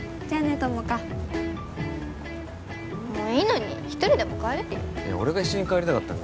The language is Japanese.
友果もういいのに一人でも帰れるよ俺が一緒に帰りたかったんだ